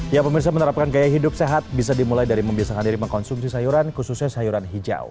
ya pemirsa menerapkan gaya hidup sehat bisa dimulai dari membiasakan diri mengkonsumsi sayuran khususnya sayuran hijau